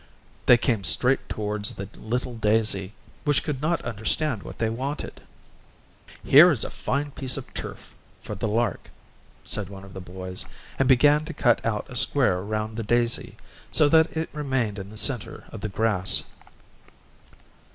They came straight towards the little daisy, which could not understand what they wanted. "Here is a fine piece of turf for the lark," said one of the boys, and began to cut out a square round the daisy, so that it remained in the centre of the grass.